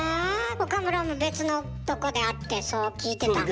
岡村も別のとこで会ってそう聞いてたの？